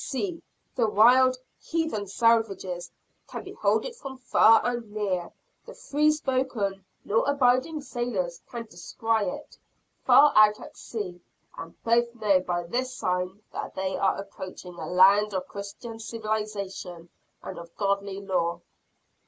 "See, the wild "Heathen Salvages" can behold it from far and near; the free spoken, law abiding sailors can descry it, far out at sea; and both know by this sign that they are approaching a land of Christian civilization and of godly law!"